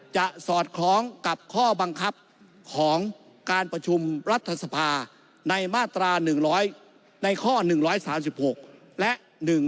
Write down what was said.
จะสอดคร้องกับข้อบังคับของการประชุมรัฐสภาในข้อ๑๓๖และ๑๓๘